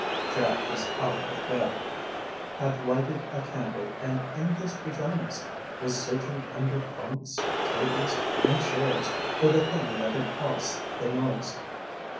Jack was out of bed, had lighted a candle and in his pajamas, was searching under bunks, tables and chairs for the thing that had caused the noise.